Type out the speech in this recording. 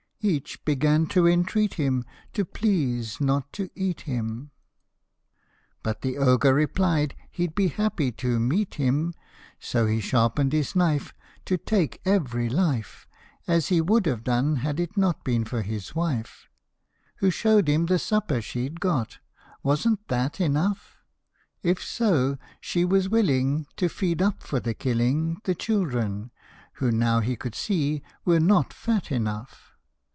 Each began to entreat him To please not to eat him, 87 HOP O MY THUMB. But the Ogre replied he 'd be happy to meat him ; So he sharpened his knife To take every life As he would have done had it not been for his wife, Who showed him the supper she 'd got " Wasn't that enough :" If so, she was willing To feed up for killing The children, who now he could see were not fat enough.